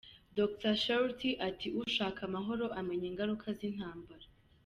Dr Sherti ati «Ushaka amahoro, amenya ingaruka z’intambara.